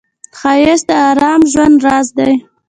ښایست د آرام ژوند راز دی